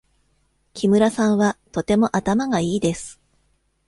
木村さんはとても頭がいいです。